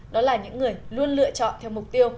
đó là những người luôn lựa chọn theo mục tiêu